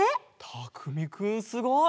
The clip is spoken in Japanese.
たくみくんすごい！